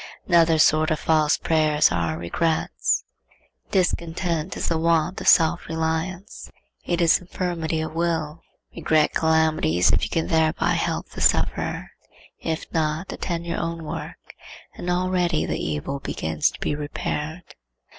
Another sort of false prayers are our regrets. Discontent is the want of self reliance: it is infirmity of will. Regret calamities if you can thereby help the sufferer; if not, attend your own work and already the evil begins to be repaired.